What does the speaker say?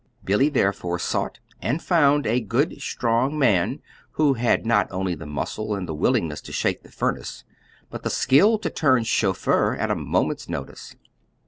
Billy therefore sought and found a good, strong man who had not only the muscle and the willingness to shake the furnace, but the skill to turn chauffeur at a moment's notice.